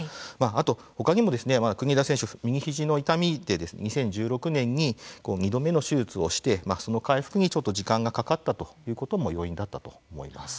あと、ほかにも国枝選手右肘の痛みで２０１６年に２度目の手術をして、その回復にちょっと時間がかかったということも要因だったと思います。